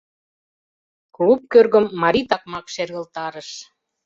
Клуб кӧргым марий такмак шергылтарыш: